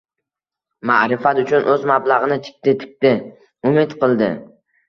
Ma’rifat uchun o‘z mablag‘ini tikdi-tikdi, umid qildi.